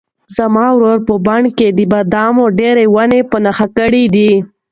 زما ورور په خپل بڼ کې د بادامو ډېرې ونې په نښه کړې دي.